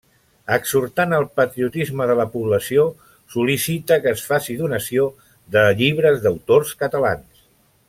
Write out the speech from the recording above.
Exhortant al patriotisme de la població, sol·licita que es faci donació de llibres d'autors catalans.